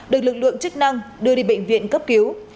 được lực lượng chức năng đưa đi bệnh viện cấp cứu